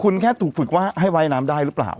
คุณแค่ถูกฝึกว่าให้ว่ายน้ำได้หรือเปล่า